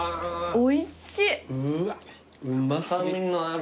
おいしい！